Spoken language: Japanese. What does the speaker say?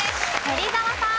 芹澤さん。